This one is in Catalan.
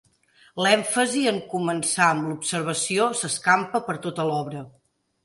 L'èmfasi en començar amb l'observació s'escampa per tota l'obra.